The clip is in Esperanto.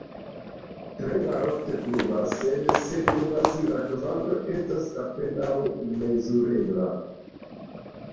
Tre malofte pluvas, sed se pluvas, la kvanto estas apenaŭ mezurebla.